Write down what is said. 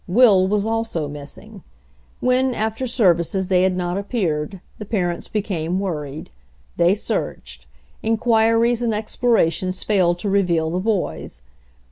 Will was also missing. When, after services, they had not appeared, the parents became worried. They searched. Inquiries and explorations failed to reveal the boys.